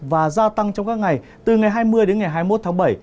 và gia tăng trong các ngày từ ngày hai mươi đến ngày hai mươi một tháng bảy